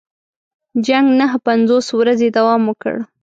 جنګ نهه پنځوس ورځې دوام وکړ.